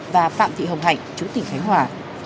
và phạm thị hồng hạnh chú tỉnh khánh hòa